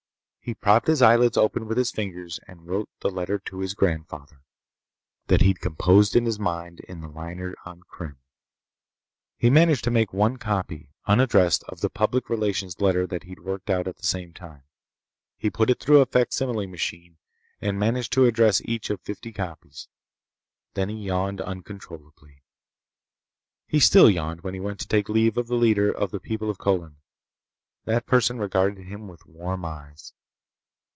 He propped his eyelids open with his fingers and wrote the letter to his grandfather that he'd composed in his mind in the liner on Krim. He managed to make one copy, unaddressed, of the public relations letter that he'd worked out at the same time. He put it through a facsimile machine and managed to address each of fifty copies. Then he yawned uncontrollably. He still yawned when he went to take leave of the leader of the people of Colin. That person regarded him with warm eyes.